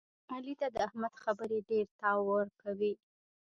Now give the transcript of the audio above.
علي ته د احمد خبرې ډېرتاو ورکوي.